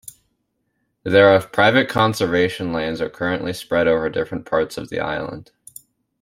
Their of private conservation lands are currently spread over different parts of the island.